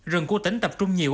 rừng của tỉnh tập trung nhiều